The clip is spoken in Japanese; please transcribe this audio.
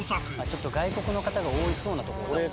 ちょっと外国の方が多そうな所。